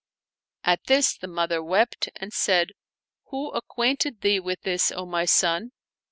At this the mother wept and said, " Who acquainted thee with this, O my son?"